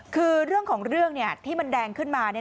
คือเรื่องของเรื่องที่มันแดงขึ้นมา